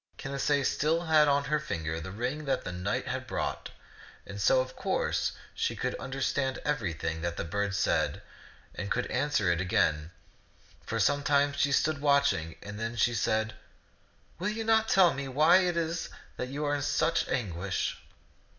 Canacee still had on her finger the ring that the knight had brought, and so of course she could under stand everything that the bird said and could answer it again. For some time she stood watching, then she said, "Will you not tell me w^hy it is that you are in such anguish